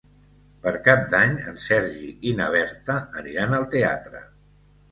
Per Cap d'Any en Sergi i na Berta aniran al teatre.